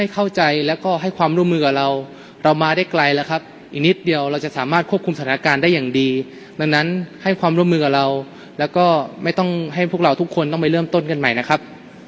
ไกลแล้วครับอีกนิดเดียวเราจะสามารถควบคุมสถานการณ์ได้อย่างดีดังนั้นให้ความร่วมมือกับเราแล้วก็ไม่ต้องให้พวกเราทุกคนต้องไปเริ่มต้นกันใหม่นะครับ